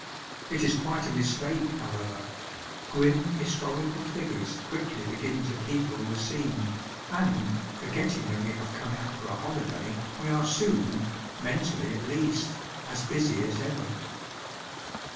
It is quite a mistake, however ; grim historical figures quickly begin to people the scene, and, forgetting that we have come out for a holiday, we are soon, mentally at least, as busy as ever.